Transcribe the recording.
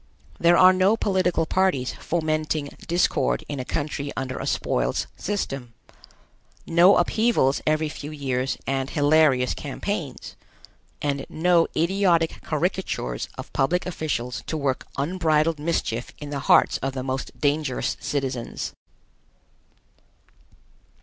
There are no political parties fomenting discord in a country under a spoils system; no upheavals every few years and hilarious campaigns; and no idiotic caricatures of public officials to work unbridled mischief in the hearts of the most dangerous citizens.